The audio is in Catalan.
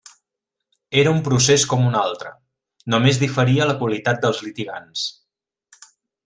Era un procés com un altre; només diferia la qualitat dels litigants.